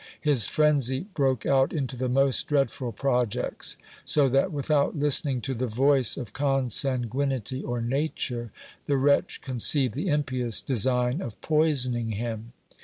His frenzy broke out into the most dreadful projects; so that, without listening to the voice of consanguinity or nature, the wretch conceived the impious de sign of poisoning him.